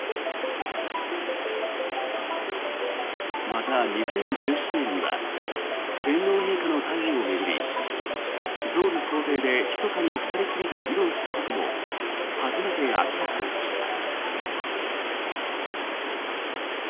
また、２０１１年には天皇陛下の退位を巡り総理公邸で、ひそかに２人きりで議論したことも初めて明らかにした。